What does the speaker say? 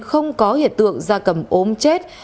không có hiện tượng da cầm ốm chết